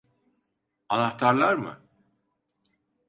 Anahtarlar mı?